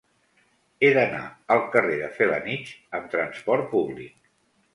He d'anar al carrer de Felanitx amb trasport públic.